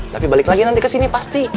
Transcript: tapi balik lagi nanti kesini pasti